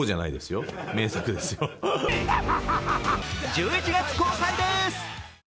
１１月公開です。